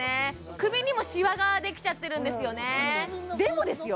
首にもシワができちゃってるんですよねでもですよ